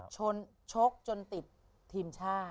ชกจนติดทีมชาติ